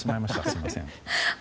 すみません。